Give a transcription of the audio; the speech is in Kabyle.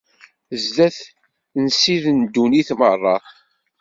Sdat n Ssid n ddunit merra.